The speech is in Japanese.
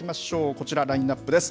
こちら、ラインナップです。